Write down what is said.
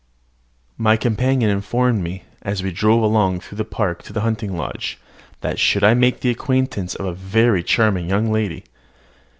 My companion informed me, as we drove along through the park to the hunting lodge, that I should make the acquaintance of a very charming young lady.